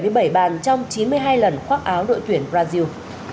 pele đã giành bảy bàn trong chín mươi hai lần khoác áo đội tuyển brazil